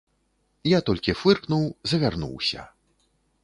Я толькі фыркнуў, завярнуўся.